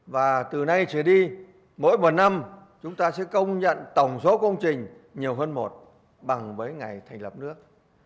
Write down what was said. và từ nay trở đi mỗi một năm chúng ta sẽ công nhận tổng số công trình nhiều hơn một bằng với ngày thành lập nước